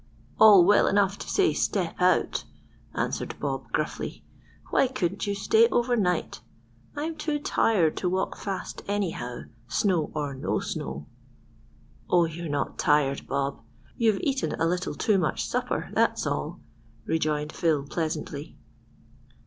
"All well enough to say 'step out,'" answered Bob gruffly. "Why couldn't you stay overnight? I'm too tired to walk fast anyhow, snow or no snow." "Oh, you're not tired, Bob. You've eaten a little too much supper, that's all," rejoined Phil pleasantly.